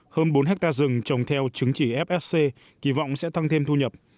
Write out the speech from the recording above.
hơn bốn ha rừng trồng theo chứng chỉ fsc kỳ vọng sẽ thăng thêm thu nhập